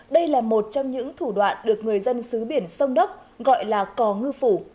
đây là một trong những thủ đoạn được người dân xứ biển sông đốc gọi là cò ngư phủ